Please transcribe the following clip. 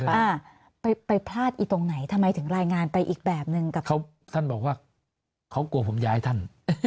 ป้าไปพลาดอีตรงไหนทำไมถึงรายงานไปอีกแบบนึงกับเขาท่านบอกว่าเขากลัวผมย้ายท่าน